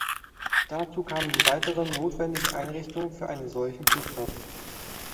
Dazu kamen die weiteren notwendigen Einrichtungen für eine solchen Flugplatz.